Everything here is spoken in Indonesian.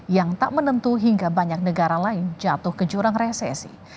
yang tak menentu hingga banyak negara lain jatuh ke jurang resesi